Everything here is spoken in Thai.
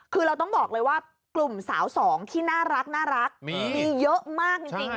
คือเราต้องบอกเลยว่ากลุ่มสาวสองที่น่ารักมีเยอะมากจริง